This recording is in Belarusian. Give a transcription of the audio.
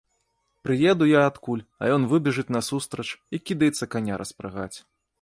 Прыеду я адкуль, а ён выбежыць насустрач і кідаецца каня распрагаць.